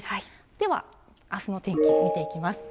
では、あすの天気見ていきます。